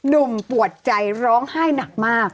หนุ่มปวดใจร้องไห้หนักมาก